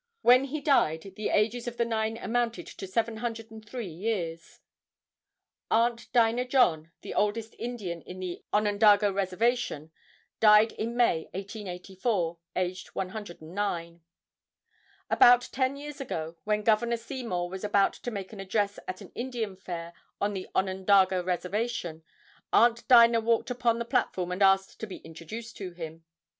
When he died the ages of the nine amounted to 703 years. Aunt Dinah John, the oldest Indian at the Onondaga reservation died in May, 1884, aged 109. About ten years ago, when Governor Seymour was about to make an address at an Indian fair on the Onondaga reservation, Aunt Dinah walked upon the platform and asked to be introduced to him.